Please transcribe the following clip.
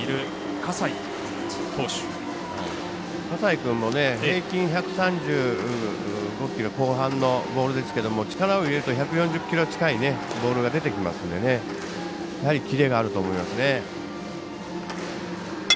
葛西君も平均１３５キロ後半のボールですけども力を入れると１４０キロ近いボールが出てきますのでキレがあると思いますね。